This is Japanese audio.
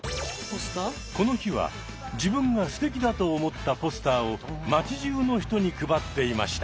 この日は自分がすてきだと思ったポスターを街じゅうの人に配っていました。